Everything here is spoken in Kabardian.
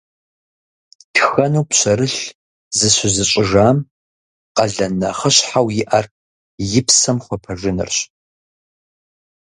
Тхэну пщэрылъ зыщызыщӀыжам къалэн нэхъыщхьэу иӀэр и псэм хуэпэжынырщ.